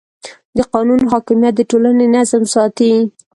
د قانون حاکمیت د ټولنې نظم ساتي.